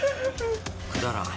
くだらん。